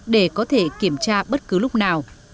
để có thể kiểm tra bất cứ lúc nào